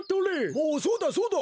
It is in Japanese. おおそうだそうだ。